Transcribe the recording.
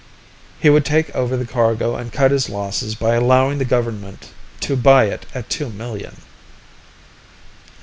He would take over the cargo and cut his losses by allowing the government to buy it at two million.